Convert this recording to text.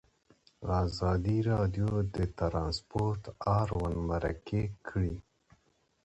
ازادي راډیو د ترانسپورټ اړوند مرکې کړي.